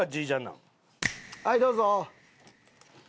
はいどうぞ。